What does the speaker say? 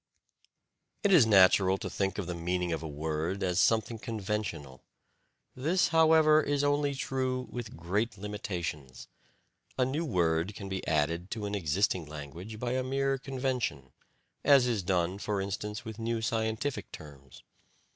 It is natural to think of the meaning of a word as something conventional. This, however, is only true with great limitations. A new word can be added to an existing language by a mere convention, as is done, for instance, with new scientific terms.